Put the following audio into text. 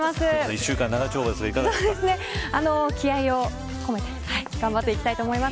１週間、長丁場ですが気合を込めて頑張っていきたいと思います。